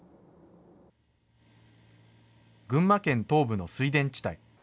群馬県東部の水田地帯。